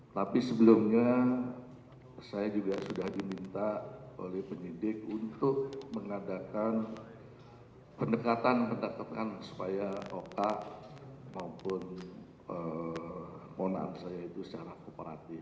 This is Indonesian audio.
tapi sebelumnya saya juga sudah diminta oleh penyidik untuk mengadakan pendekatan pendekatan supaya otak maupun mohon maaf saya itu secara kooperatif